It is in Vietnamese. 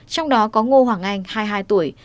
trong đó có ngô hoàng anh hai mươi hai tuổi